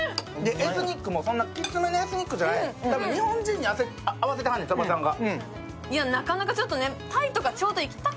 エスニックもそんなきつめのエスニックじゃない、多分、日本人に合わせてはんねん鳥羽さんが。